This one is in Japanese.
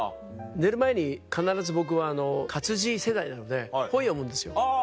寝る前に必ず僕は活字世代なので本読むんですよ。